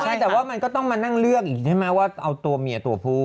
ใช่แต่ว่ามันก็ต้องมานั่งเลือกอีกใช่ไหมว่าเอาตัวเมียตัวผู้